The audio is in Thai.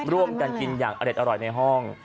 ร่วมกันกินอย่างอเด็ดอร่อยในห้อง